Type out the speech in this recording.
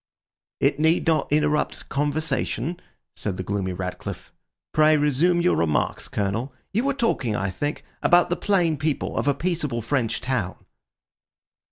"It need not interrupt conversation," said the gloomy Ratcliffe. "Pray resume your remarks, Colonel. You were talking, I think, about the plain people of a peaceable French town."